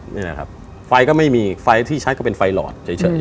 นี่นะครับไฟก็ไม่มีไฟที่ใช้ก็เป็นไฟหลอดเฉย